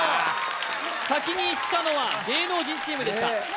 先にいったのは芸能人チームでしたナイス！